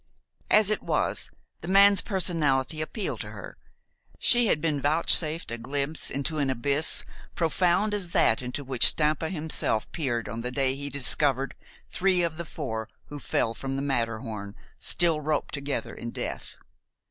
As it was, the man's personality appealed to her. She had been vouchsafed a glimpse into an abyss profound as that into which Stampa himself peered on the day he discovered three of the four who fell from the Matterhorn still roped together in death.